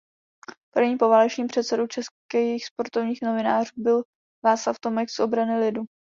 Prvním poválečným předsedou českých sportovních novinářů byl Václav Tomek z Obrany lidu.